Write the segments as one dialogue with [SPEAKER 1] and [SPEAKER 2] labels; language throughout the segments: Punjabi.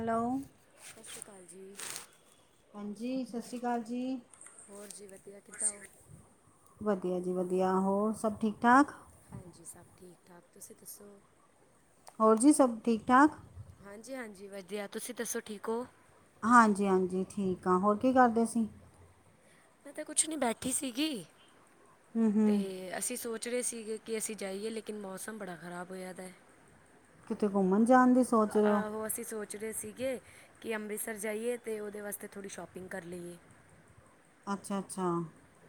[SPEAKER 1] ਹੈਲੋ
[SPEAKER 2] ਸਸ ਸ਼੍ਰੀ ਕਾਲ ਜੀ
[SPEAKER 1] ਜੀ ਸਸ ਸ਼੍ਰੀ ਕਾਲ ਜੀ
[SPEAKER 2] ਹੋਰ ਜੀ ਵਧੀਆ ਕਿੱਦਾਂ ਉਹ
[SPEAKER 1] ਵਧੀਆ ਜੀ ਵਧੀਆ ਹੋਰ ਸਭ ਠੀਕ ਠਾਕ
[SPEAKER 2] ਹਾਂਜੀ ਸਭ ਠੀਕ ਠਾਕ ਤੁਸੀਂ ਦੱਸੋ
[SPEAKER 1] ਹੋਰ ਜੀ ਸਭ ਠੀਕ ਠਾਕ
[SPEAKER 2] ਹਾਂਜੀ ਹਾਂਜੀ ਵਧੀਆ ਤੁਸੀਂ ਦੱਸੋ ਠੀਕ ਹੋ
[SPEAKER 1] ਹਾਂਜੀ ਹਾਂਜੀ ਠੀਕ ਹਾਂ ਹੋਰ ਕੀ ਕਰਦੇ ਸੀ
[SPEAKER 2] ਮੈਂ ਤਾਂ ਕੁਛ ਨੀ ਬੈਠੀ ਸੀਗੀ
[SPEAKER 1] ਹੂੰ ਹੂੰ
[SPEAKER 2] ਤੇ ਅਸੀਂ ਸੋਚ [inaudible] ਸੀਗੇ ਕਿ ਅਸੀਂ ਜਾਈਏ ਲੇਕਿਨ ਮੌਸਮ ਬੜਾ ਖ਼ਰਾਬ ਹੋਇਆ ਦਾ
[SPEAKER 1] ਕਿਤੇ ਘੁੰਮਣ ਜਾਣ ਦੀ ਸੋਚ
[SPEAKER 2] ਹੈ
[SPEAKER 1] ਰਹੇ ਹੋ
[SPEAKER 2] ਆਹੋ ਅਸੀਂ ਸੋਚ ਰੇ ਸੀਗੇ ਕਿ ਅੰਮ੍ਰਿਤਸਰ ਜਾਈਏ ਅਤੇ ਉਹਦੇ ਵਾਸਤੇ ਥੋੜ੍ਹੀ ਸ਼ੋਪਿੰਗ ਕਰ ਲਈਏ
[SPEAKER 1] ਅੱਛਾ, ਅੱਛਾ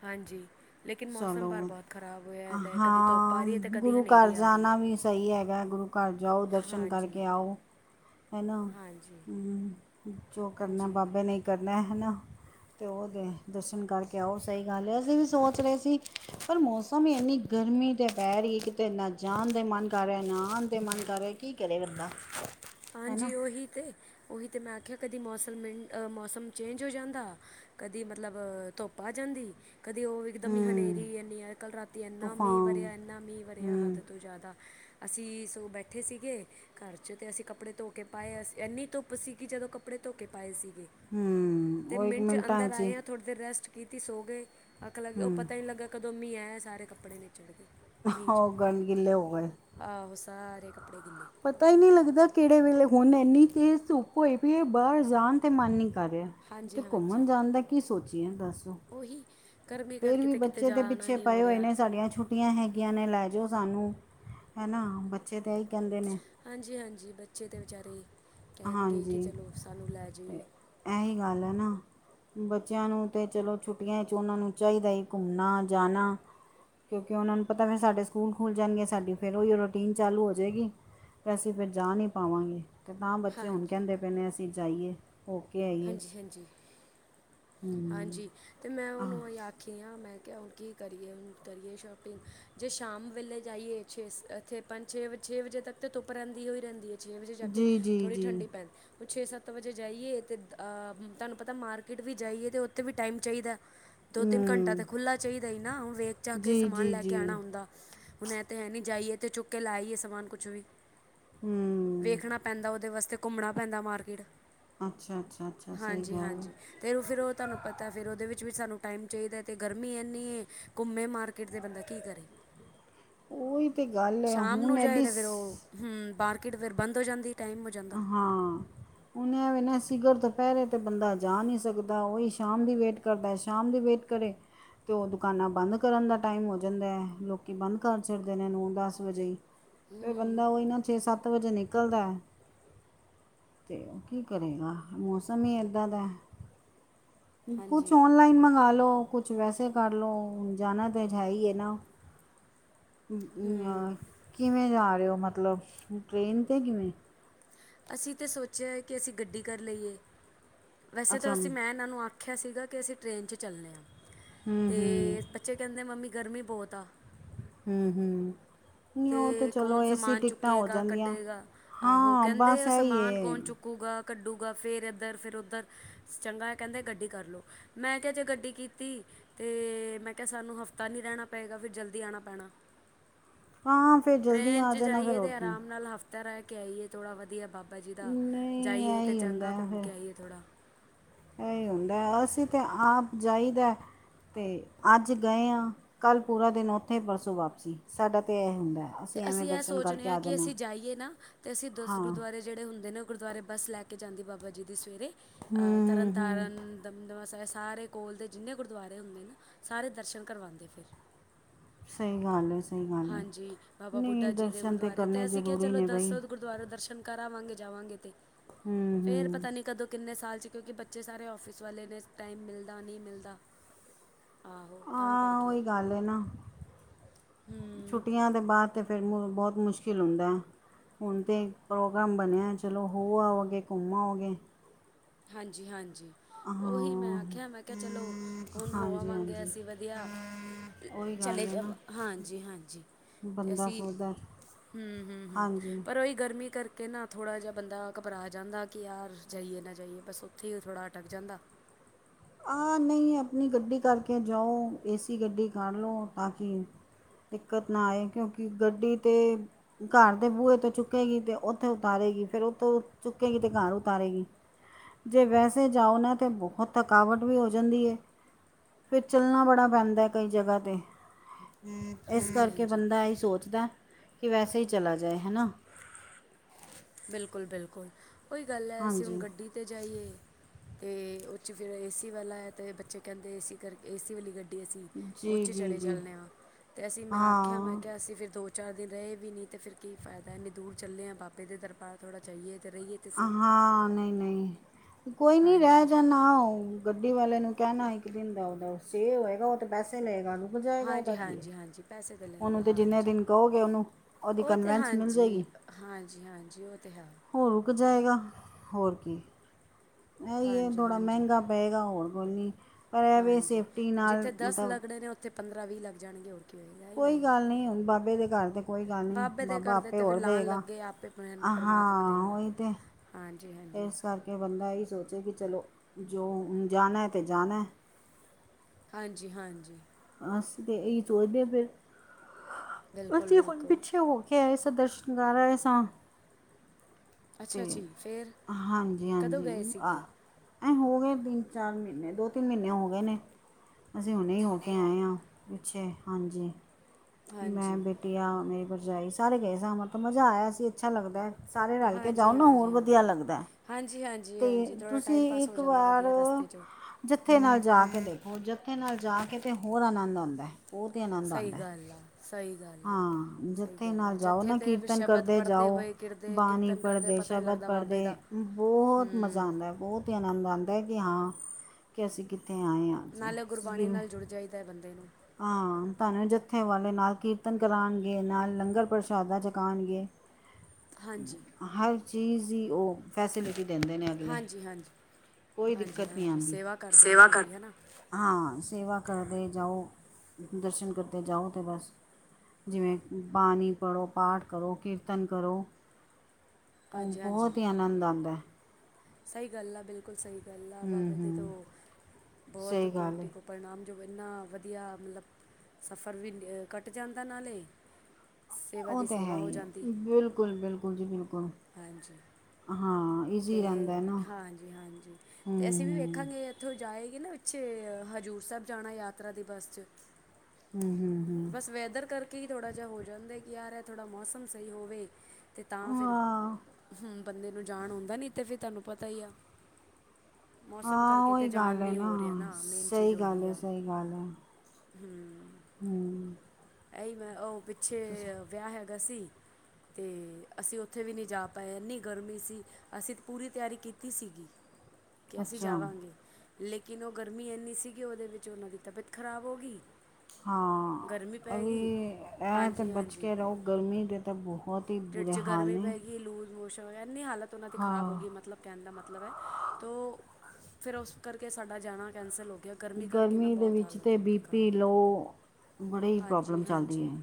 [SPEAKER 2] ਹਾਂਜੀ। ਲੇਕਿਨ ਮੌਸਮ ਬਾਰ
[SPEAKER 1] ਚਲੋ
[SPEAKER 2] ਬਹੁਤ ਖ਼ਰਾਬ ਹੋਇਆ ਦਾ ਹੈ ਕਦੀ ਧੁੱਪ ਆ
[SPEAKER 1] ਹਾਂ
[SPEAKER 2] ਰਹੀ ਹੈ ਅਤੇ ਕਦੀ
[SPEAKER 1] ਗੁਰੂ ਘਰ
[SPEAKER 2] ਹਨੇਰੀ ਆ ਰਹੀ
[SPEAKER 1] ਜਾਣਾ
[SPEAKER 2] ਹੈ
[SPEAKER 1] ਵੀ ਸਹੀ ਹੈਗਾ ਗੁਰੂ ਗੁਰੂ ਘਰ ਜਾਓ ਦਰਸ਼ਨ
[SPEAKER 2] ਹਾਂਜੀ
[SPEAKER 1] ਕਰਕੇ ਆਓ ਹੈਨਾ,
[SPEAKER 2] ਹਾਂਜੀ
[SPEAKER 1] ਜੋ ਕਰਨਾ
[SPEAKER 2] ਹਾਂਜੀ
[SPEAKER 1] ਬਾਬੇ ਨੇ ਕਰਨਾ ਹਨਾ ਤੇ ਉਹਦੇ ਦਰਸ਼ਨ ਕਰਕੇ ਆਓ ਸਹੀ ਗੱਲ ਹੈ ਅਸੀਂ ਵੀ ਸੋਚ ਰਹੇ ਪਰ ਮੌਸਮ ਹੀ ਇੰਨੀ ਗਰਮੀ ਤੇ ਬੈ ਰਹੀ ਕਿਤੇ ਨਾ ਜਾਣ ਦੇ ਮਨ ਕਰ ਰਿਹਾ ਨਾ ਆਨ ਦੇ ਮਨ ਕਰਹਾ ਕੀ ਕਰੇ ਬੰਦਾ ਹੈ ਨਾ
[SPEAKER 2] ਹਾਂਜੀ ਓਹੀ ਤੇ ਉਹੀ ਤੇ ਮੈਂ ਆਖਿਆ ਕਦੀ ਮੌਸਮ ਮਿੰਹ ਮੌਸਮ ਚੇਂਜ ਹੋ ਜਾਂਦਾ ਕਦੀ ਮਤਲਬ ਧੁੱਪ ਆ ਜਾ [unintelligible] ਕਦੇ ਉਹ ਇਕਦਮ ਹੀ
[SPEAKER 1] ਹੂੰ
[SPEAKER 2] ਹਨੇਰੀ ਹੈਨੀ ਕੱਲ੍ਹ ਰਾਤੀ ਇੰਨਾ ਮੀਂਹ
[SPEAKER 1] ਤੂਫਾਨ
[SPEAKER 2] ਵਰਿਆ ਇੰਨਾ ਮੀਂਹ ਵਰਿਆ ਹੱਦ
[SPEAKER 1] ਹੂੰ
[SPEAKER 2] ਤ ਤੋਂ ਜ਼ਿਆਦਾ ਅਸੀਂ ਸਗੋਂ ਬੈਠੇ ਸੀਗੇ ਘਰ 'ਚ ਅਤੇ ਅਸੀਂ ਕੱਪ ਕੱਪੜੇ ਧੋ ਕੇ ਪਾਏ ਅਸੀਂ ਇੰਨੀ ਧੁੱਪ ਸੀ ਕਿ ਜਦੋਂ ਕੱਪੜੇ ਧੋ ਕੇ ਪਾਏ ਸੀ
[SPEAKER 1] ਹੂੰ
[SPEAKER 2] ਅਤੇ
[SPEAKER 1] ਉਹ ਇੱਕ
[SPEAKER 2] ਮਿੰਟ ਚ
[SPEAKER 1] ਮਿੰਟਾਂ
[SPEAKER 2] ਅੰਦਰ
[SPEAKER 1] ਹੀ
[SPEAKER 2] ਆਇਏ ਹਾਂਥੋੜ੍ਹੀ ਦੇਰ ਰੈਸਟ ਕੀਤੀ ਸੋ ਗਏ ਅੱਖ ਲੱਗ ਗਈ ਲੱਗੇ ਉਹ
[SPEAKER 1] ਹੂੰ
[SPEAKER 2] ਪਤਾ ਹੀ ਨਹੀਂ ਲੱਗਾ ਕਦੋਂ ਮੀ ਆ ਗਿਆ ਸਾਰੇ ਕੱਪੜੇ ਨਿਚੜ ਗਏ ਮੀਂਹ
[SPEAKER 1] ਹੋ
[SPEAKER 2] 'ਚ
[SPEAKER 1] ਗਨ ਗਿਲੇ ਹੋ ਗਏ
[SPEAKER 2] ਆਹੋ ਸਾਰੇ [unintelligible]
[SPEAKER 1] ਪਤਾ ਹੀ ਨੀ ਲੱਗਦਾ ਕਿਹੜੇ ਵੇਲੇ ਹੁਣ ਇੰਨੀ ਤੇਜ਼ ਧੁੱਪ ਹੋਈ ਵੀ ਬਾਹਰ ਜਾਣ ਤੇ ਮਨ ਨਹੀਂ ਕਰ ਕਰਿਆ ਤੇ ਘੁੰਮਣ ਜਾਣ ਦਾ ਕੀ ਸੋਚੀਏ ਦੱਸ
[SPEAKER 2] ਓਹੀ
[SPEAKER 1] ਫੇਰ ਵੀ ਬੱਚੇ ਦੇ ਪਿੱਛੇ ਪਏ ਹੋਏ ਨੇ ਸਾਡੀਆਂ ਛੁੱਟੀਆਂ ਹੈਗੀਆਂ ਨੇ ਲੈ ਜੋ ਸਾਨੂੰ ਹਨਾ ਬੱਚੇ ਤੇ ਏਹੀ
[SPEAKER 2] ਹਾਂਜੀ ਹਾਂਜੀ ਬੱਚੇ ਤਾਂ ਵਿਚਾਰੇ ਕਹਿਣਗੇ ਕਿ
[SPEAKER 1] ਹਾਂਜੀ
[SPEAKER 2] ਚਲੋ ਸਾਨੂੰ ਲੈ ਜਾਈਏ
[SPEAKER 1] ਸਹੀ ਗੱਲ ਹੈ ਨਾ ਬੱਚਿਆਂ ਨੂੰ ਤੇ ਚਲੋ ਛੁੱਟੀਆਂ ਚ ਉਹਨਾਂ ਨੂੰ ਚਾਹੀਦਾ ਹੈ ਘੁੰਮਨਾ ਜਾਣਾ ਕਿਉਂਕਿ ਉਹਨਾਂ ਨੂੰ ਪਤਾ ਫਿਰ ਸਾਡੇ ਸਕੂਲ ਖੁੱਲ ਜਾਣਗੇ ਸਾਡੀ ਫਿਰ ਉਹੀ ਰੂਟੀਨ ਚਾਲੂ ਹੋ ਜਾਏਗੀ ਤੇ ਅਸੀਂ ਫਿਰ ਜਾ ਨਹੀਂ ਪਾਵਾਂਗੇ ਤੇ ਤਾਂ ਬੱਚੇ ਹੁਣ
[SPEAKER 2] ਹਾਂਜੀ
[SPEAKER 1] ਕਹਿੰਦੇ ਪਏ ਨੇ ਅਸੀਂ ਜਾਈਏ ਹੋ ਕੇ ਆਈਏ
[SPEAKER 2] ਹਾਂਜੀ ਹਾਂਜੀ
[SPEAKER 1] ਹੂੰ
[SPEAKER 2] ਹਾਂਜੀ ਤੇ ਮੈਂ
[SPEAKER 1] ਆਹ
[SPEAKER 2] ਉਹਨੂੰਂ ਆਖੀ ਹ ਮੈਂ ਕਿ ਹ ਕੀ ਕਰੀੁਣ ਕਰੀਏ ਸ਼ੋਪਿੰਗ ਜੇ ਸ਼ਾਮ ਵੇਲੇ ਜਾਈਏ ਛੇ ੱਥੇ ਪੰਜ ਛੇ ਵੇ ਛੇ ਵਜੇ ਤੱਕ ਤਾਂ ਧੁੱਪ ਰਹਿੰਦੀ ਹੋਈ ਰਹਿੰਦੀ ਹੈ ਛੇ ਵਜੇ ਜਾ ਕੇ
[SPEAKER 1] ਜੀ ਜੀ
[SPEAKER 2] ਥੋੜ੍ਹੀ
[SPEAKER 1] ਜੀ
[SPEAKER 2] ਠੰਡੀ ਪੈਂਦੀ ਉਹ ਛੇ ਸੱਤ ਵਜੇ ਜਾਈਏ ਅਤੇ ਤੁਹਾਨੂੰ ਪਤਾ ਮਾਰਕੀਟ ਵੀ ਜਾਈਏ ਅਤੇ ਉੱਥੇ ਵੀ ਟਾਈਮ ਚਾਹੀਦਾ ਦੋ ਤਿੰਨ ਘੰਟਾ
[SPEAKER 1] ਹੂੰ
[SPEAKER 2] ਤਾਂ ਖੁੱਲ੍ਹਾ ਚਾਹੀਦਾ ਨਾ ਅ ਵੇਖ ਜਾ ਕੇ
[SPEAKER 1] ਜੀ
[SPEAKER 2] ਸਮਾਨ
[SPEAKER 1] ਜੀ
[SPEAKER 2] ਲੈ ਕੇ
[SPEAKER 1] ਜੀ
[SPEAKER 2] ਆਉਣਾ ਹਦਾ ਹੁਣ ਐ ਤਾਂ ਹੈ ਨਹੀਂ ਜਾਈਏ ਅਤੇ ਚੁੱਕ ਕੇ ਲਾਈਏ ਸਮਾਨ ਕੁਛ ਵੀ
[SPEAKER 1] ਹੂੰ
[SPEAKER 2] ਵੇਖਣਾ ਪੈਂਦਾ ਉਹਦੇ ਵਾਸਤੇ ਘੁੰਮਣਾ ਪੈਂਦਾ ਮਾਰਕੀਟ
[SPEAKER 1] ਅੱਛਾ ਅੱਛਾ ਅੱਛਾ ਸਹੀ
[SPEAKER 2] ਹਾਂਜੀ
[SPEAKER 1] ਗੱਲ
[SPEAKER 2] ਹਾਂਜੀ ਤੇਨੂੰ ਫਿਰ ਉਹ ਤੁਹਾਨੂੰ ਪਤਾ ਫਿਰ ਉਹਦੇ ਵਿੱਚ ਵੀ ਸਾਨੂੰ ਟਾਈਮ ਚਾਹੀਦਾ ਅਤੇ ਗਰਮੀ ਇੰਨੀ ਹੈ ਘੁੰਮੇ ਮਾਰਕੀਟ ' ਬੰਦਾ ਕੀ ਕਰੇ
[SPEAKER 1] ਉਹੀ ਤਾਂ ਗੱਲ ਹੈ
[SPEAKER 2] ਸ਼ਾਮ
[SPEAKER 1] ਹੁਣ
[SPEAKER 2] ਨੂੰ ਜਾਏ
[SPEAKER 1] ਐਡੀ
[SPEAKER 2] ਤੇ ਫੇਰ
[SPEAKER 1] ਸ
[SPEAKER 2] ਉਹ ਹਮ ਮਾਰਕੀਟ ਫੇਰ ਬੰਦ ਹੋ ਜਾਂਦੀ ਟਾਈਮ ਹੋ ਜਾਂਦਾ
[SPEAKER 1] ਹਾਂ ਉਹਨ ਸਿਗਰ ਤ ਦੁਪਹਿਰੇ ਤਾਂ ਬੰਦਾ ਜਾ ਨਹੀਂ ਸਕਦਾ ਉਹੀ ਸ਼ਾਮ ਦੀ ਵੇਟ ਕਰਦਾ ਸ਼ਾਮ ਦੀ ਵੇਟ ਕਰੇ ਤੇ ਉਹ ਦੁਕਾਨਾਂ ਬੰਦ ਕਰਨ ਦਾ ਟਾਈਮ ਹੋ ਜਾਂਦਾ ਹੈ ਲੋਕੀ ਬੰਦ ਕਰ ਛਿਰਦੇ ਨੇ ਨੂੰ ਦਸ ਵਜੇ ਫਿਰ
[SPEAKER 2] ਹੂੰ
[SPEAKER 1] ਬੰਦਾ ਉਹ ਨਾ ਛੇ ਸੱਤ ਵਜੇ ਨਿਕਲਦਾ ਅਤੇ ਕੀ ਕਰੇਗਾ ਮੌਸਮ ਹੀ ਇਏਦਾਂ ਦਾ ਕੁਛ
[SPEAKER 2] ਹਾਂਜੀ
[SPEAKER 1] ਔਨਲਾਈਨ ਮੰਗ ਲੋ ਉਹ ਕੁਛ ਵੈਸੇ ਕਰ ਲਓ ਜਾਣਾ ਤਾਂ ਹੈ ਹੀ ਹੈ ਨਾ
[SPEAKER 2] ਹੂੰ
[SPEAKER 1] ਕਿਵੇਂ ਜਾ ਰਹੇ ਹੋ ਮਤਲਬ ਟ੍ਰੇਨ 'ਤੇ ਕਿਵੇਂ
[SPEAKER 2] ਅਸੀਂ ਤੇ ਸੋਚਿਆ ਕਿ ਅਸੀਂ ਗੱਡੀ ਕਰ ਲਈਏ ਵੈਸੇ ਤਾਂ
[SPEAKER 1] ਅੱਛਾ
[SPEAKER 2] ਅਸੀਂ ਮੈਂ ਇਹਨਾਂ ਨੂੰ ਆਖ ਚ
[SPEAKER 1] ਹੂੰ ਹੂੰ
[SPEAKER 2] ਬੇਿੰ ਗਰਮੀ ਬਹੁਤ ਆ
[SPEAKER 1] ਹਮ ਹਮ
[SPEAKER 2] ਤੇ ਕੌਣ ਸਮਾਨ
[SPEAKER 1] ਹੋ
[SPEAKER 2] ਚੁੱਕੇਗਾ
[SPEAKER 1] ਜਾਂਦੀਆਂ
[SPEAKER 2] ਕੱਢੇਗਾ ਆਹੋ
[SPEAKER 1] ਹਾਂ ਬਸ
[SPEAKER 2] ਕਹਿੰਦੇ
[SPEAKER 1] ਇਹ ਹੀ
[SPEAKER 2] ਸਮਾਨ ਕੌਣ
[SPEAKER 1] ਹੈ
[SPEAKER 2] ਚੁੱਕੂਗਾ ਕੱਢੂਗਾ ਫਿਰ ਇੱਧਰ ਫਿਰ ਉੱਧਰ ਚੰਗਾ ਕਹਿੰਦੇ ਗੱਡੀ ਕਰ ਲਉ ਮੈਂ ਕਿਹਾ ਜੇ ਗੱਡੀ ਕੀਤੀ ਅਤੇ ਮੈਂ ਕਿਹਾ ਸਾਨੂੰ ਹਫ਼ਤਾ ਨਹੀਂ ਰਹਿਣਾ ਪਏਗਾ ਫਿਰ ਜਲਦੀ ਆਉਣਾ ਪੈਣਾ
[SPEAKER 1] ਹਾਂ ਫੇਿਰ ਜਲਦੀ
[SPEAKER 2] ਟ੍ਰੇਨ
[SPEAKER 1] ਆ
[SPEAKER 2] 'ਚ
[SPEAKER 1] ਜਾਣਾ ਫਿਰ
[SPEAKER 2] ਜਾਈਏ ਅਤੇ
[SPEAKER 1] ਰਕੀ
[SPEAKER 2] ਆਰਾਮ ਨਾਲ ਹਫ਼ਤਾ ਰਹਿ ਕੇ ਆਈ ੋੜਾ ਵਧੀਆ ਬੱਬ ਬਾਬਾ ਜੀ ਦਾ,
[SPEAKER 1] ਨਹੀਂ
[SPEAKER 2] ਜਾਈਏ
[SPEAKER 1] ਇਹ
[SPEAKER 2] ਤੇ
[SPEAKER 1] ਹੀ
[SPEAKER 2] ਚੰਗਾ ਘੁੰਮ ਕੇ ਆਈਏ ਥੋੜ੍ਹਾ।
[SPEAKER 1] ਏਹ ਈ ਹੁੰਦਾ, ਅਸੀਂ ਤੇ ਆਪ ਜਾਈ ਦਾ ਏ ਤੇ ਅੱਜ ਗਏ ਆ, ਕੱਲ੍ਹ ਪੂਰਾ ਦਿਨ ਉੱਥੇ, ਪਰਸੋਂ ਵਾਪਸੀ, ਸਾਡਾ ਤੇ ਏਹ ਹੁੰਦਾ। ਹੈ।
[SPEAKER 2] ਤੇ
[SPEAKER 1] ਐਵੇਂ
[SPEAKER 2] ਅਸੀਂ ਏਹ
[SPEAKER 1] ਦਰਸ਼ਨ
[SPEAKER 2] ਸੋਚਣੇ
[SPEAKER 1] ਕਰਕੇ
[SPEAKER 2] ਆ ਕਿ
[SPEAKER 1] ਜਾਂਦੇ
[SPEAKER 2] ਅਸੀਂ
[SPEAKER 1] ਹਾਂ
[SPEAKER 2] ਜਾਈਏ ਨਾ, ਤੇ ਅਸੀਂ ਦਸ
[SPEAKER 1] ਹਾਂ
[SPEAKER 2] ਗੁਰਦੁਆਰੇ ਜਿਹੜੇ ਹੁੰਦੇ ਨੇ, ਉਹ ਗੁਰਦੁਆਰੇ ਬੱਸ ਲੈ ਕੇ ਜਾਂਦੀ ਬਾਬਾ ਜੀ ਦੀ ਸਵੇਰੇ,
[SPEAKER 1] ਹੂੰ
[SPEAKER 2] ਅਹ ਤਰਨ
[SPEAKER 1] ਹੂੰ ਹੂੰ
[SPEAKER 2] ਤਾਰਨ, ਦਮਦਮਾ ਸ ਸਾਰੇ ਕੋਲ ਦੇ ਜਿੰਨੇ ਗੁਰਦੁਆਰੇ ਹੁੰਦੇ ਨਾ, ਸਾਰੇ ਦਰਸ਼ਨ ਕਰਵਾਂਦੇ ਫੇਰ।
[SPEAKER 1] ਸਈ ਗੱਲ ਏ।
[SPEAKER 2] ਹਾਂਜੀ, ਬਾਬਾ ਬੁੱਢਾ ਜੀ ਦੇ
[SPEAKER 1] ਤਾਂ
[SPEAKER 2] ਗੁਰਦੁਆਰੇ, ਤੇ
[SPEAKER 1] ਕਰਨੇ
[SPEAKER 2] ਅਸੀਂ ਕਿਹਾ
[SPEAKER 1] ਜ਼ਰੂਰੀ
[SPEAKER 2] ਚਲੋ
[SPEAKER 1] ਨੇ ਬਈ
[SPEAKER 2] ਦੱਸੋ ਗੁਰਦੁਆਰੋ ਦਰਸ਼ਨ ਕਰ ਆਵਾਂਗੇ, ਜਾਵਾਂਗੇ ਤੇ,
[SPEAKER 1] ਹੂੰ
[SPEAKER 2] ਫੇਰ
[SPEAKER 1] ਹੂੰ
[SPEAKER 2] ਪਤਾ ਨਈ ਕਦੋਂ ਕਿੰਨੇ ਸਾਲ ਬੱਚੇ ਕਿਉਂਕਿ ਬੱਚੇ ਸਾਰੇ ਔਫਿਸ ਵਾਲੇ ਨੇ, ਟਾਈਮ ਮਿਲਦਾ, ਨਈ ਮਿਲਦਾ? ਆਹੋ ਤਾਂ
[SPEAKER 1] ਹਾਂ
[SPEAKER 2] ਕਰਕੇ।
[SPEAKER 1] ਉਹੀ ਗੱਲ ਹੈ ਨਾ
[SPEAKER 2] ਹੂੰ
[SPEAKER 1] ਛੁੱਟੀਆਂ ਦੇ ਬਾਦ ਤੇ ਫਿਰ ਬਹੋਤ ਮੁਸ਼ਕਿਲ ਹੁੰਦਾ ਏ। ਹੁਣ ਤੇ ਪ੍ਰੋਗਰਾਮ ਬਣਿਆ ਏ, ਚਲੋ ਹੋ ਆਵੋਗੇ ਘੁੰਮ ਆਓਗੇ।
[SPEAKER 2] ਹਾਂਜੀ-ਹਾਂਜੀ। ਓਹੀ ਮੈਂ
[SPEAKER 1] ਹਾਂ
[SPEAKER 2] ਆਖਿਆ, ਮੈਂ ਕਿਹਾ ਚਲੋ, ਹੁਣ ਹੋ
[SPEAKER 1] ਹਾਂਜੀ
[SPEAKER 2] ਆਵਾਂਗੇ
[SPEAKER 1] ਹਾਂਜੀ
[SPEAKER 2] ਅਸੀਂ ਵਧੀਆ
[SPEAKER 1] ਉਹੀ
[SPEAKER 2] ਚਲੇ
[SPEAKER 1] ਗੱਲ ਹੈ ਨਾ
[SPEAKER 2] ਜਾਵਾ, ਹਾਂਜੀ-ਹਾਂਜੀ ਤੇ
[SPEAKER 1] ਬੰਦਾ
[SPEAKER 2] ਅਸੀਂ
[SPEAKER 1] ਸੋਚਦਾ
[SPEAKER 2] ਹੂੰ-ਹੂੰ-ਹੂੰ,
[SPEAKER 1] ਹਾਂਜੀ
[SPEAKER 2] ਪਰ ਉਹੀ ਗਰਮੀ ਕਰਕੇ ਤੇ ਨਾ ਥੋੜਾ ਜਿਹਾ ਬੰਦਾ ਘਬਰਾ ਜਾਂਦਾ, ਕਿ ਯਾਰ ਜਾਈਏ ਨਾ ਜਾ [unintelligible] ਬਸ ਉੱਥੇ ਈ ਉਹ ਥੋੜ੍ਹਾ ਅਟਕ ਜਾਂਦਾ।
[SPEAKER 1] ਹਾਂ ਨਈ ਏ ਆਪਣੀ ਗੱਡੀ ਕਰਕੇ ਜਾਓ, ਏ ਸੀ ਗੱਡੀ ਕਰ ਲੋ ਆ ਕੇ ਦਿੱਕਤ ਨਾ ਆਏ, ਕਿਉਂਕਿ ਗੱਡੀ ਤੇ, ਘਰ ਦੇ ਬੂਏ ਤੋਂ ਚੁੱਕੇਗੀ ਤੇ ਉੱਥੇ ਉਤਾਰੇ ਲੇਗੀ, ਫੇਰ ਉਹਥੋਂ ਚੁੱਕੇਗੀ ਤੇ ਘਰ ਉਤਾਰੇਗੀ। ਜੇ ਵੈਸੇ ਜਾਓ ਨਾ ਤੇ ਬਹੋਤ ਥਕਾਵਟ ਵੀ ਹੋ ਜਾਂਦੀ ਏ, ਫਿਰ ਚੱਲਣਾ ਬੜਾ ਪੈਂਦਾ ਏ ਕਈ ਜਗ੍ਹਾ ਤੇ। ਇਸ
[SPEAKER 2] ਹਾਂਜੀ
[SPEAKER 1] ਕਰਕੇ
[SPEAKER 2] ਹਾਂਜੀ
[SPEAKER 1] ਬੰਦਾ ਏਹ ਈ ਸੋਚਦਾ ਕਿ ਵੈਸੇ ਹੀ ਚਲਾ ਜਾਏ ਹਨਾ।
[SPEAKER 2] ਬਿਲਕੁਲ-ਬਿਲਕੁਲ, ਓਹੀ ਗੱਲ ਏ, ਅਸੀਂ ਹੁਣ
[SPEAKER 1] ਹਾਂਜੀ
[SPEAKER 2] ਗੱਡੀ ਤੇ ਜਾਈਏ ਤੇ ਉਹ ਚ ਫਿਰ ਏ ਸੀ ਵਾਲਾ ਏ, ਤੇ ਬੱਚੇ ਕਹਿੰਦੇ ਏ ਸੀ ਕਰਕੇ, ਏ ਸੀ ਵਾਲੀ ਗੱ ਡੇਜ਼ੀ, ਉਹ
[SPEAKER 1] ਜੀ
[SPEAKER 2] ਚੇ
[SPEAKER 1] ਜੀ
[SPEAKER 2] ਚਲੇ
[SPEAKER 1] ਜੀ
[SPEAKER 2] ਚੱਲਣੇ ਆ, ਤੇ ਅਸੀਂ ਮੈਂ ਆਖਿਆ, ਮੈਂ
[SPEAKER 1] ਹਾਂ
[SPEAKER 2] ਕਿਹਾ, ਅਸੀਂ ਫਿਰ ਦੋ ਦੋ ਚਾਰ ਦਿਨ ਰਹੇ ਵੀ ਨਈ ਤੇ ਫਿਰ ਕੀ ਫਾਇਦਾ ਏ? ਇੰਨੀ ਦੂਰ ਚੱਲੇ ਆ, ਬਾਬੇ ਦੇ ਦਰਬਾਰ ਥੋੜ੍ਹਾ ਜਾਈਏ। ਅਤੇ ਰਹੀਏ ਤਾਂ ਸਹੀ
[SPEAKER 1] ਹਾਂ, ਨਈ-ਨਈ, ਕੋਈ ਨਈ ਰਹਿ
[SPEAKER 2] ਹਾਂਜੀ
[SPEAKER 1] ਜਾ ਨਾ ਆਉ ਗੱਡੀ ਵਾਲੇ ਨੂੰ ਕਹਿਣਾ ਇੱਕ ਦਿਨ ਦਾ [unintelligible] ਸੇਵ ਹੋਏਗਾ, ਉਹ ਤੇ ਪੈਸੇ ਲਏਗਾ ਨਾ। ਹੋ ਜਾਏਗਾ,
[SPEAKER 2] ਹਾਂਜੀ
[SPEAKER 1] ਔਦਾ ਕੀ ਏ?
[SPEAKER 2] ਹਾਂਜੀ ਹਾਂਜੀ ਪੈਸੇ ਤਾਂ
[SPEAKER 1] ਉਹਨੂੰ
[SPEAKER 2] ਲਏਗਾ
[SPEAKER 1] ਤੇ ਜਿੰਨੇ
[SPEAKER 2] ਹਾਂਜੀ
[SPEAKER 1] ਦਿਨ ਕੋਔਗੇ ਉਹਨੂੰ, ਉਹਦੀ
[SPEAKER 2] ਉਹ ਤਾਂ
[SPEAKER 1] ਕਨਵੈਂਸ ਮਿਲ ਜਏਗੀ।
[SPEAKER 2] ਹਾਂਜੀ ਹਾਂਜੀ ਹਾਂਜੀ ਉਹ ਤਾਂ ਹੈ
[SPEAKER 1] ਔਹ ਰੁਕ ਜਾਏਗਾ, ਹੋਰ ਕੀ? ਏਹੀ ਏ
[SPEAKER 2] ਹਾਂਜੀ
[SPEAKER 1] ਥੋੜ੍ਹਾ
[SPEAKER 2] ਹਾਂਜੀ
[SPEAKER 1] ਮਹਿੰਗਾ ਪਏਗਾ ਹੋਰ। ਬੋਲਣੀ ਪਰ ਏਹ ਵੇ
[SPEAKER 2] ਹਾਂਜੀ
[SPEAKER 1] ਸੇਫਟੀ ਨਾਲ
[SPEAKER 2] ਜਿੱਥੇ ਦਸ
[SPEAKER 1] ਮਤਵ
[SPEAKER 2] ਲੱਗਣੇ ਨੇ ਉੱਥੇ ਪੰਦਰਾਂ ਵੀਹ ਲੱਗ ਜਾਣਗੇ ਹੋਰ ਕੀ ਹੋਏਗਾ ਇਹੀ
[SPEAKER 1] ਕੋਈ
[SPEAKER 2] ਹੋਏਗਾ
[SPEAKER 1] ਗੱਲ ਨੀ, ਹੁਣ ਬਾਬੇ ਦੇ ਘਰ ਤੇ ਕੋਈ ਗੱਲ ਨੀ,
[SPEAKER 2] ਬਾਬੇ ਦੇ
[SPEAKER 1] ਬਾਬਾ
[SPEAKER 2] ਕਰਦੇ
[SPEAKER 1] ਆਪੇ
[SPEAKER 2] ਤੇ ਫਿਰ
[SPEAKER 1] ਹੋਰ
[SPEAKER 2] ਲਾਣ
[SPEAKER 1] ਦਏਗਾ।
[SPEAKER 2] ਲੱਗੇ
[SPEAKER 1] ਹਾਂ ਉਈ ਤੇ।
[SPEAKER 2] ਹਾਂ
[SPEAKER 1] ਏਸ ਕਰਕੇ ਬੰਦਾ ਏਹ ਈ ਸੋਚੇ, ਕਿ ਚਲੋ ਜੋ ਜਾਣਾ ਏ ਤੇ ਜਾਣਾ ਏ।
[SPEAKER 2] ਹਾਂਜੀ-ਹਾਂਜੀ।
[SPEAKER 1] ਅਸੀ ਤੇ ਇਹੀ ਸੋਚਦੇ ਆ ਫਿਰ,
[SPEAKER 2] ਬਿਲਕੁਲ
[SPEAKER 1] ਅਸੀਂ ਹੁਣ
[SPEAKER 2] ਬਿਲਕੁਲ
[SPEAKER 1] ਪਿੱਛੇ ਹੋ ਕੇ ਆਏ ਸੀ। ਤ ਦਰਸ਼ਨ ਕਰ ਆਏ ਸਾਂ। ਤੇ
[SPEAKER 2] ਅੱਛਾ ਜੀ ਫਿਰ ਕਦੋਂ
[SPEAKER 1] ਹਾਂਜੀ-ਹਾਂਜੀ,
[SPEAKER 2] ਗਏ
[SPEAKER 1] ਆ।
[SPEAKER 2] ਸੀਗੇ
[SPEAKER 1] ਏਹ ਹੋ ਗਏ ਤਿੰਨ ਚਾਰ ਮਹੀਨੇ, ਦੋ ਤਿੰਨ ਮਹੀਨੇ ਹੋ ਗਏ ਨੇ। ਅਸੀਂ ਹੁਣੇ ਈ ਹੋ ਕੇ ਆਏ ਆ, ਪਿੱਛੇ ਹਾਂਜੀ। ਮੈਂ,
[SPEAKER 2] ਹਾਂਜੀ
[SPEAKER 1] ਬਿਟਿਆ, ਮੇਰੀ ਪਰਜਾਈ, ਸਾਰੇ ਗਏ ਸਾਂ ਮਤਬ ਮਜ਼ਾ ਆਇਆ ਸੀ, ਅੱਛਾ ਲੱਗਦਾ ਏ। ਸਾਰੇ ਰਲ ਕੇ ਜਾਓ ਨਾ, ਹੋਰ ਵਧੀਆ ਲੱਗਦਾ ਏ।
[SPEAKER 2] ਹਾਂਜੀ-ਹਾਂਜੀ-ਹਾਂਜੀ, ਥੋੜ੍ਹਾ ਟਾਈਮ ਪਾਸ ਹੋ ਜਾਂਦਾ
[SPEAKER 1] ਵਾਰ
[SPEAKER 2] ਵਧੀਆ ਰਸਤੇ ਚੋਂ।
[SPEAKER 1] ਜੱਥੇ ਨਾਲ ਜਾ ਕੇ ਦੇਖੋ, ਜੱਥੇ ਨਾਲ ਜਾ ਕੇ ਤੇ ਹੋਰ ਆਨੰਦ ਆਂਦਾ ਏ, ਬਹੋਤ ਈ ਆਨੰਦ
[SPEAKER 2] ਸਹੀ
[SPEAKER 1] ਆਂਦਾ ਏ।
[SPEAKER 2] ਗੱਲ ਆ ਸਹੀ ਗੱਲ ਆ ਸਹੀ ਗੱਲ ਆ
[SPEAKER 1] ਜਾਓ
[SPEAKER 2] ਜਥੇ
[SPEAKER 1] ਨਾ
[SPEAKER 2] ਤੇ
[SPEAKER 1] ਕੀਰਤਨ
[SPEAKER 2] ਸ਼ਬਦ ਪੜ੍ਹਦੇ ਹੋਏ ਕਿਰਦੇ ਕੀਰਤਨ ਕਰਦੇ।
[SPEAKER 1] ੇ
[SPEAKER 2] ਪਤਾ ਨਹੀਂ
[SPEAKER 1] ਸ਼ਬਦ
[SPEAKER 2] ਲੱਗਦਾ ਬਾਬੇ ਦਾ
[SPEAKER 1] ਪੜ੍ਹਦੇ ਬਹੁਤ ਮਜ਼ਾ
[SPEAKER 2] ਹੂੰ
[SPEAKER 1] ਆਉਂਦਾ ਬਹੁਤ ਹੀ ਆਨੰਦ ਆਉਂਦਾ ਹੈ। ਕਿ ਹਾਂ ਕਿ ਅਸੀਂ ਕਿੱਥੇ ਆਏ ਹਾਂ
[SPEAKER 2] ਨਾਲੇ
[SPEAKER 1] ਅੱਜ
[SPEAKER 2] ਗੁਰਬਾਣੀ
[SPEAKER 1] ਕਿਵੇਂ
[SPEAKER 2] ਨਾਲ ਜੁੜ ਜਾਈਦਾ ਬੰਦੇ ਨੂੰ
[SPEAKER 1] ਹਾਂ ਤੁਹਾਨੂੰ ਜੱਥੇ ਵਾਲੇ ਨਾਲ ਕੀਰਤਨ ਕਰਾਉਣਗੇ ਨਾਲ ਲੰਗਰ ਪ੍ਰਸ਼ਾਦਾ ਛਕਾਣਗੇ।
[SPEAKER 2] ਹਾਂਜੀ
[SPEAKER 1] ਹਰ ਚੀਜ਼ ਦੀ ਉਹ ਫੈਸਿਲਿਟੀ ਦਿੰਦੇ ਨੇ ਅਗਲੇ
[SPEAKER 2] ਹਾਂਜੀ ਹਾਂਜੀ
[SPEAKER 1] ਕੋਈ
[SPEAKER 2] ਹਾਂਜੀ
[SPEAKER 1] ਦਿੱਕਤ ਨਹੀਂ
[SPEAKER 2] ਹਾਂਜੀ
[SPEAKER 1] ਆਦੀ
[SPEAKER 2] ਸੇਵਾ ਕਰਦੇ ਨੇ
[SPEAKER 1] ਸੇਵਾ ਕਰ
[SPEAKER 2] ਪੂਰੀ ਹੈ ਨਾ
[SPEAKER 1] ਹਾਂ ਸੇਵਾ ਕਰਦੇ ਜਾਓ। ਦਰਸ਼ਨ ਕਰਦੇ ਜਾਓ ਤੇ ਬਸ। ਜਿਵੇਂ ਬਾਣੀ ਪੜ੍ਹੋ ਪਾਠ ਕਰੋ ਕੀਰਤਨ ਕਰੋ। ਉਹ
[SPEAKER 2] ਹਾਂਜੀ ਹਾਂਜੀ
[SPEAKER 1] ਬਹੁਤ ਹੀ ਆਨੰਦ ਆਉਂਦਾ ਹੈ।
[SPEAKER 2] ਸਹੀ ਗੱਲ ਆ ਬਿਲਕੁਲ ਸਹੀ ਗੱਲ ਆ
[SPEAKER 1] ਹੂੰ
[SPEAKER 2] ਬਾਬੇ ਦੀ ਤੋਂ
[SPEAKER 1] ਹੂੰ
[SPEAKER 2] ਬਹੁਤ
[SPEAKER 1] ਸਹੀ ਗੱਲ
[SPEAKER 2] ਕੋਟੀ
[SPEAKER 1] ਹੈ
[SPEAKER 2] ਕੋ ਪ੍ਰਣਾਮ। ਸਮ ਇੰਨਾ ਵਧੀਆ ਮਤਲਬ ਸਫ਼ਰ ਵੀ ਕੱਟ ਜਾਂਦਾ ਨਾਲੇ। ਸੇਵਾ
[SPEAKER 1] ਉਹ
[SPEAKER 2] ਦੀ
[SPEAKER 1] ਤਾਂ ਹੈ
[SPEAKER 2] ਸੇਵਾ ਹੋ
[SPEAKER 1] ਹੀ ਹੈ
[SPEAKER 2] ਜਾਂਦੀ
[SPEAKER 1] ਬਿਲਕੁਲ ਬਿਲਕੁਲ ਜੀ ਬਿਲਕੁਲ।
[SPEAKER 2] ਹਾਂਜੀ।
[SPEAKER 1] ਹਾਂ
[SPEAKER 2] ਤੇ
[SPEAKER 1] ਈਜ਼ੀ ਰਹਿੰਦਾ ਹੈ ਨਾ
[SPEAKER 2] ਹਾਂਜੀ ਹਾਂਜੀ
[SPEAKER 1] ਹੂੰ
[SPEAKER 2] ਤੇ ਅਸੀਂ ਵੀ ਵੇਖਾਂਗੇ ਇੱਥੋਂ ਜਾਏਗੀ ਨਾ। ਛੇ ਹਜ਼ੂਰ ਸਾਹਿਬ ਜਾਣਾ ਯਾਤਰਾ ਦੀ ਬੱਸ 'ਚ।
[SPEAKER 1] ਹੂੰ ਹੂੰ ਹੂੰ ਹੂੰ
[SPEAKER 2] ਬਸ ਵੈਦਰ ਕਰਕੇ ਹੀ ਥੋੜ੍ਹਾ ਜਿਹਾ ਹੋ ਜਾਂਦਾ ਕਿ ਯਾਰ ਥੋੜ੍ਹਾ ਮੌਸਮ ਸਹੀ ਹੋਵੇ। ਅਤੇ ਤਾਂ ਫਿਰ
[SPEAKER 1] ਹਾਂ,
[SPEAKER 2] ਬੰਦੇ ਨੂੰ ਜਾਣ ਆਉਂਦਾ ਨਹੀਂ ਅਤੇ ਫਿਰ ਤੁਹਾਨੂੰ ਪਤਾ ਹੀ ਆ। ਮੌਸਮ
[SPEAKER 1] ਹਾਂ
[SPEAKER 2] ਕਰਕੇ
[SPEAKER 1] ਉਹੀ
[SPEAKER 2] ਤਾਂ ਜਾਣ
[SPEAKER 1] ਗੱਲ ਹੈ
[SPEAKER 2] ਨਹੀਂ
[SPEAKER 1] ਨਾ
[SPEAKER 2] ਹੋ ਰਿਹਾ ਮੇਨ
[SPEAKER 1] ਸਹੀ ਗੱਲ ਹੈ ਸਹੀ ਗੱਲ ਹੈ।
[SPEAKER 2] ਹਮ।
[SPEAKER 1] ਹਮ।
[SPEAKER 2] ਇਹੀ ਮੈਂ ਉਹ ਪਿੱਛੇ ਵਿਆਹ ਹੈਗਾ ਸੀ। ਅਤੇ ਅਸੀਂ ਉੱਥੇ ਵੀ ਨਹੀਂ ਜਾ ਪਾਏ ਇੰਨੀ ਗਰਮੀ ਸੀ ਅਸੀਂ ਤਾਂ ਪੂਰੀ ਤਿਆਰੀ ਕੀਤੀ ਸੀਗੀ। ਕਿ ਅਸੀਂ
[SPEAKER 1] ਅੱਛਾ
[SPEAKER 2] ਜਾਵਾਂਗੇ। ਲੇਕਿਨ ਉਹ ਗਰਮੀ ਇੰਨੀ ਸੀ ਕੀ ਉਹਦੇ ਵਿੱਚ ਉਹਨਾਂ ਦੀ ਤਬੀਅਤ ਖ਼ਰਾਬ ਹੋ ਗਈ ਗਰਮੀ ਪੈ
[SPEAKER 1] ਭੀ
[SPEAKER 2] ਗਈ
[SPEAKER 1] ਐ ਤਾਂ
[SPEAKER 2] ਹਾਂਜੀ
[SPEAKER 1] ਬਚ ਕੇ ਰਹੋ ਗਰਮੀ ਦੇ ਤੇ ਬਹੁ
[SPEAKER 2] ਟਿਡ ਚ ਗਰਮੀ ਪੈ ਗਈ ਲੂਜ ਮੋਸ਼ਨ ਤੋਂ ਇੰਨੀ ਹਾਲਤ ਉਹਨਾਂ ਦੀ ਖ਼ਰਾਬ ਹੋ
[SPEAKER 1] ਹਾਂ
[SPEAKER 2] ਗਈ ਮਤਲਬ ਕਹਿਣ ਦਾ ਮਤਲਬ ਹੈ ਤੋ ਫਿਰ ਉਸ ਕਰਕੇ ਸਾਡਾ ਜਾਣਾ ਕੈਂਸਲ ਹੋ ਗਿਆ ਕਰਕੇ ਨਾ
[SPEAKER 1] ਗਰਮੀ ਦੇ
[SPEAKER 2] ਬਹੁਤ
[SPEAKER 1] ਵਿੱਚ
[SPEAKER 2] ਹਾਲਤ
[SPEAKER 1] ਤਾਂ
[SPEAKER 2] ਹੋ
[SPEAKER 1] ਬੀ
[SPEAKER 2] ਗਈ ਖਰਾਬ
[SPEAKER 1] ਪੀ ਲੋਅ ਬੜੀ
[SPEAKER 2] ਹਾਂਜੀ
[SPEAKER 1] ਪ੍ਰੋਬਲਮ ਚੱਲਦੀ
[SPEAKER 2] ਹਾਂਜੀ
[SPEAKER 1] ਹੈ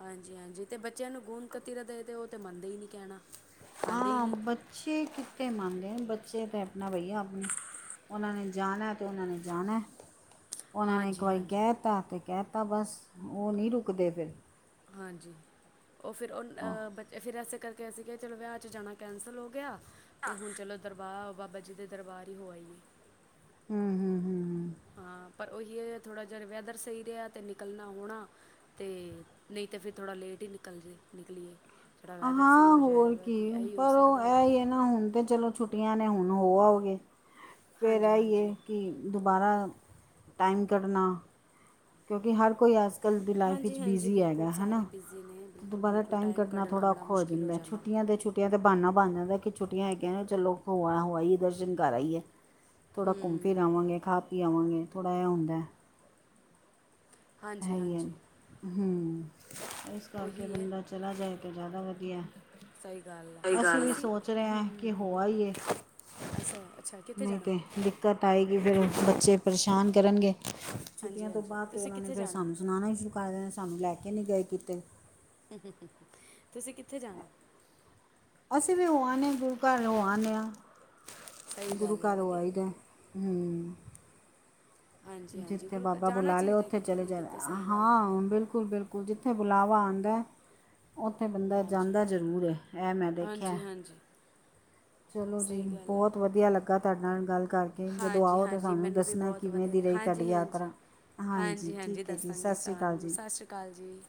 [SPEAKER 2] ਹਾਂਜੀ ਹਾਂਜੀ ਤੇ ਬੱਚਿਆਂ ਨੂੰ ਗੂੰਦ ਕਤੀਰਾ ਦੇ ਤੇ ਉਹ ਤੇ ਮੰਨਦੇ ਹੀ ਨੀ ਕਹਿਣਾ ਖਾਂਦੇ ਹੀ
[SPEAKER 1] ਹਾਂ
[SPEAKER 2] ਨਹੀਂ
[SPEAKER 1] ਬੱਚੇ ਕਿੱਥੇ ਮੰਨਦੇ ਹਨ ਬੱਚੇ ਤੇ ਆਪਣਾ ਭਈਆ ਉਹਨਾਂ ਨੇ ਜਾਣਾ ਤੇ ਉਹਨਾਂ ਨੇ ਜਾਣਾ ਉਹਨਾਂ ਨੇ ਇੱਕ
[SPEAKER 2] ਹਾਂਜੀ
[SPEAKER 1] ਵਾਰੀ
[SPEAKER 2] ਹਾਂਜੀ
[SPEAKER 1] ਕਹਿ ਤਾ ਤੇ ਕਹਿ ਤਾ ਬਸ ਉਹ ਨਹੀਂ ਰੁਕਦੇ ਫਿਰ
[SPEAKER 2] ਹਾਂਜੀ ਉਹ ਫਿਰ
[SPEAKER 1] ਹੂੰ
[SPEAKER 2] ਉਹ ਬੱਚ ਫਿਰ ਇਸੇ ਕਰਕੇ ਅਸੀਂ ਕਿਹਾ ਚਲੋ ਵਿਆਹ 'ਚ ਜਾਣਾ ਕੈਂਸਲ ਹੋ ਗਿਆ ਤੇ ਹੁਣ ਚਲੋ ਦਰਬਾਰ ਬਾਬਾ ਜੀ ਦੇ ਦਰਬਾਰ ਹੀ ਹੋ ਆਈਏ
[SPEAKER 1] ਹਮ ਹਮ ਹਮ ਹਮ
[SPEAKER 2] [inaudible] ਪਰ ਉਹੀ ਹੈ ਥੋੜ੍ਹਾ ਜਿਹਾ ਵੈਦਰ ਸਹੀ ਰਿਹਾ ਤੇ ਨਿਕਲਣਾ ਹੋਣਾ ਤੇ ਨਹੀਂ ਤਾਂ ਫਿਰ ਥੋੜ੍ਹਾ ਲੇਟ ਹੀ ਨਿਕਲ ਰਹੀ ਆ ਨਿਕਲੀਏ ਥੋੜ੍ਹਾ ਵੈਦਰ ਸਹੀ
[SPEAKER 1] ਹਾਂ
[SPEAKER 2] ਹੋ
[SPEAKER 1] ਹੋਰ
[SPEAKER 2] ਜਾਏਗਾ
[SPEAKER 1] ਕੀ
[SPEAKER 2] ਤੇ ਇਹੀ ਹੋ
[SPEAKER 1] ਪਰ ਉਹ
[SPEAKER 2] ਸਕਦਾ ਹੋਰ
[SPEAKER 1] ਇਹ
[SPEAKER 2] ਕੀ
[SPEAKER 1] ਹੀ ਹੈ ਨਾ ਹੁਣ ਤੇ ਚਲੋ ਛੁੱਟੀਆਂ ਨੇ ਹੁਣ ਹੁਣ ਹੋ ਆਉਗੇ ਫਿਰ
[SPEAKER 2] ਹਾਂਜੀ
[SPEAKER 1] ਆਈ
[SPEAKER 2] ਹਾਂਜੀ
[SPEAKER 1] ਹੈ ਕਿ ਦੁਬਾਹਰਾ ਟਾਈਮ ਕੱਢਣਾ ਕਿਉਂਕਿ ਹਰ ਕੋਈ ਇਸ ਅੱਜ ਕੱਲ ਦੀ ਲਾਈਫ
[SPEAKER 2] ਹਾਂਜੀ
[SPEAKER 1] ਵਿੱਚ
[SPEAKER 2] ਹਾਂਜੀ
[SPEAKER 1] ਬਿਜ਼ੀ
[SPEAKER 2] ਬਿਲਕੁਲ
[SPEAKER 1] ਹੈਗਾ ਹਨਾ
[SPEAKER 2] ਸਾਰੇ ਬਿਜ਼ੀ ਨੇ ਬਿਲਕੁਲ
[SPEAKER 1] ਦੁਬਾਰਾ
[SPEAKER 2] ਬਿਲਕੁਲ
[SPEAKER 1] ਟਾਈਮ ਕੱਡਣਾ
[SPEAKER 2] ਕੱਢਣਾ
[SPEAKER 1] ਥੋੜ੍ਹਾ
[SPEAKER 2] ਬੜਾ
[SPEAKER 1] ਔਖਾ ਹੋ
[SPEAKER 2] ਮੁਸ਼ਕਿਲ
[SPEAKER 1] ਜਾਂਦਾ ਛੁੱਟੀਆਂ ਦੇ ਛੁੱਟੀਆਂ ਦਾ ਬਾਨਾ ਬਣ ਜਾਂਦਾ ਕਿ ਛੁੱਟੀਆਂ ਹੈਗੀਆਂ ਚਲੋ ਹੋਆ ਹੋਆਈ ਦਰਸ਼ਨ ਕਰ ਆਈਏ ਥੋੜ੍ਹਾ ਘੁੰਮ
[SPEAKER 2] ਹੂੰ
[SPEAKER 1] ਫਿਰ ਆਵਾਂਗੇ ਖਾ ਪੀ ਆਵਾਂਗੇ ਥੋੜ੍ਹਾ ਐ ਹੁੰਦਾ ਹੈ
[SPEAKER 2] ਹਾਂਜੀ
[SPEAKER 1] ਹੈਗੀ ਹੈ
[SPEAKER 2] ਹਾਂਜੀ
[SPEAKER 1] ਹਮ ਇਸ ਕਰਕੇ
[SPEAKER 2] ਉਹੀ ਹੈ
[SPEAKER 1] ਬੰਦਾ ਚਲਾ ਜਾਏ ਜ਼ਿਆਦਾ ਵਧੀਆ
[SPEAKER 2] ਸਹੀ ਗੱਲ ਆ
[SPEAKER 1] [unintelligible] ਅਸੀਂ ਵੀ ਸੋਚ ਰਹੇ
[SPEAKER 2] ਹੂੰ
[SPEAKER 1] ਹਾਂ ਕਿ
[SPEAKER 2] ਹੂੰ ਹੂੰ
[SPEAKER 1] ਹੋ
[SPEAKER 2] ਹੂੰ
[SPEAKER 1] ਅਈ ਏ
[SPEAKER 2] ਅੱਛਾ ਅੱਛਾ ਕਿੱਥੇ ਜਾਣਾ
[SPEAKER 1] ਆਏਗੀ ਫਿਰ ਬੱਚੇ ਪਰੇਸ਼ਾਨ ਕਰਨਗੇ
[SPEAKER 2] ਹਾਂਜੀ
[SPEAKER 1] ਛੁੱਟੀਆਂ ਤੋਂ
[SPEAKER 2] ਹਾਂਜੀ
[SPEAKER 1] ਬਾਅਦ ਤਾਂ
[SPEAKER 2] ਤੁਸੀਂ
[SPEAKER 1] ਉਹਨਾਂ ਨੇ
[SPEAKER 2] ਕਿੱਥੇ
[SPEAKER 1] ਫਿਰ
[SPEAKER 2] ਜਾਣਾ
[SPEAKER 1] ਸਾਨੂੰ ਸੁਣਾਉਣਾ ਹੀ ਸੀ [inaudible] ਸਾਨੂੰ ਲੈ ਕੇ ਨੀ ਗਏ ਕੀਤੇ
[SPEAKER 2] ਤੁਸੀਂ ਕਿੱਥੇ ਜਾਣਾ
[SPEAKER 1] ਅਸੀਂ ਵੀ ਹੋ ਆਨੇ ਹਾਂ ਗੁਰੂ ਘਰ ਹੋ ਆਨੇ
[SPEAKER 2] ਸਹੀ
[SPEAKER 1] ਹਾਂ ਗੁਰੂ
[SPEAKER 2] ਗੱਲ ਆ
[SPEAKER 1] ਘਰ ਹੋ
[SPEAKER 2] ਵਧੀਆ
[SPEAKER 1] ਆਈਦੇ
[SPEAKER 2] ਗੱਲ ਆ
[SPEAKER 1] ਹਮ
[SPEAKER 2] ਹਾਂਜੀ ਹਾਂਜੀ
[SPEAKER 1] ਜਿੱਥੇ
[SPEAKER 2] ਗੁਰੂ ਘਰ
[SPEAKER 1] ਬਾਬਾ
[SPEAKER 2] ਜਾਣਾ
[SPEAKER 1] ਬੁਲਾ ਲਿਆ
[SPEAKER 2] ਚਾਹੀਦਾ
[SPEAKER 1] ਉੱਥੇ
[SPEAKER 2] ਕਿਤੇ
[SPEAKER 1] ਚਲੇ
[SPEAKER 2] ਨਾ ਕਿਤੇ
[SPEAKER 1] ਜਾਣਾ
[SPEAKER 2] ਸਹੀ ਗੱਲ ਆ
[SPEAKER 1] ਹਾਂ ਬਿਲਕੁਲ ਬਿਲਕੁਲ ਜਿੱਥੇ ਬੁਲਾਵਾ ਆਉਂਦਾ ਉੱਥੇ ਬੰਦਾ
[SPEAKER 2] ਹਾਂਜੀ
[SPEAKER 1] ਜਾਂਦਾ ਜ਼ਰੂਰ ਹੈ ਇਹ ਮੈਂ ਦੇਖਿਆ
[SPEAKER 2] ਹਾਂਜੀ ਹਾਂਜੀ
[SPEAKER 1] ਚਲੋ ਜੀ
[SPEAKER 2] ਸਹੀ ਗੱਲ ਆ
[SPEAKER 1] ਬਹੁਤ ਵਧੀਆ ਲੱਗਾ ਤੁਹਾਡੇ ਨਾਲ ਗੱਲ ਕਰਕੇ ਜਦੋਂ
[SPEAKER 2] ਹਾਂਜੀ
[SPEAKER 1] ਆਓ ਤਾਂ
[SPEAKER 2] ਹਾਂਜੀ
[SPEAKER 1] ਸਾਨੂੰ
[SPEAKER 2] ਮੈਨੂੰ ਵੀ
[SPEAKER 1] ਦੱਸਣਾ
[SPEAKER 2] ਬਹੁਤ
[SPEAKER 1] ਕਿਵੇਂ
[SPEAKER 2] ਵਧੀਆ ਲ
[SPEAKER 1] ਦੀ ਰਹੀ ਤੁਹਾਡੀ
[SPEAKER 2] ਹਾਂਜੀ ਹਾਂਜੀ
[SPEAKER 1] ਯਾਤਰਾ ਹਾਂਜੀ ਠੀਕ ਹੈ ਜੀ ਸਤਿ
[SPEAKER 2] ਦੱਸਾਂਗੇ
[SPEAKER 1] ਸ਼੍ਰੀ ਅਕਾਲ
[SPEAKER 2] ਤੁਹਾਨੂੰ
[SPEAKER 1] ਜੀ
[SPEAKER 2] ਸਤਿ ਸ਼੍ਰੀ ਅਕਾਲ ਜੀ